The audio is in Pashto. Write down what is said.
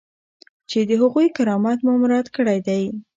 چې د هغوی کرامت مو مراعات کړی دی.